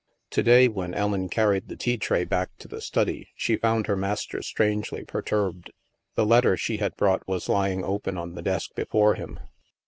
To day, when Ellen carried the tea tray back to the study, she found her master strangely perturbed. The letter she had brought was lying open on the desk before him.